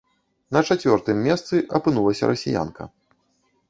На чацвёртым месцы апынулася расіянка.